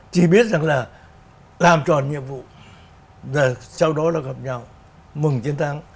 chỉ biết rằng là làm tròn nhiệm vụ là sau đó là gặp nhau mừng chiến thắng